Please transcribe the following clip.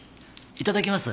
いただきます。